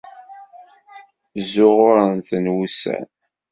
Ẓzuɣuren-ten wussan.